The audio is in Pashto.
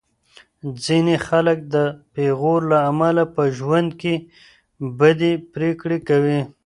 ځینې خلک د پېغور له امله په ژوند کې بدې پرېکړې کوي.